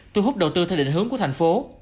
thu hút đầu tư theo định hướng của thành phố